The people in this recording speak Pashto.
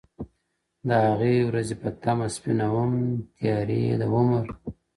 • د هغې ورځي په تمه سپینوم تیارې د عمر ,